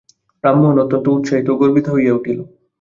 রামমোহন অত্যন্ত উৎসাহিত ও গর্বিত হইয়া উঠিল।